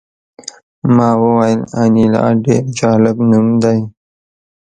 ما وویل انیلا ډېر جالب نوم دی